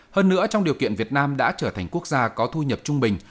hơn nữa trong điều kiện việt nam đã trở thành quốc gia có thu nhập trung bình